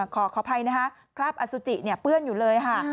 ขออภัยนะคะคราบอสุจิเปื้อนอยู่เลยค่ะ